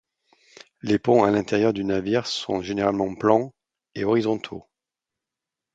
Les ponts à l'intérieur du navire sont généralement plans et horizontaux.